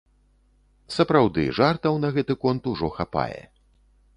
Сапраўды, жартаў на гэты конт ужо хапае.